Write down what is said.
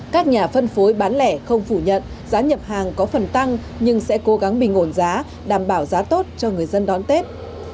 các nhà phân phối bán lẻ không phủ nhận giá nhập hàng có phần tăng nhưng sẽ cố gắng bình ổn giá đảm bảo giá tốt cho người dân đón tết